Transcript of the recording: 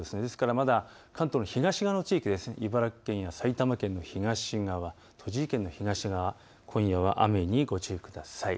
まだ関東の東の地域、茨城県や埼玉県、栃木県の東側、今夜は雨にご注意ください。